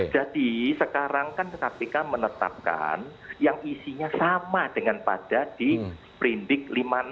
jadi sekarang kan kpk menetapkan yang isinya sama dengan pada di perintik lima puluh enam